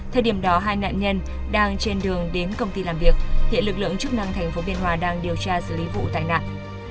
thời điểm đó hai nạn nhân đang trên đường đến công ty làm việc hiện lực lượng chức năng thành phố biên hòa đang điều tra xử lý vụ tai nạn